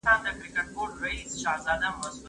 شاه زمان د وزیر په توګه وټاکل شي.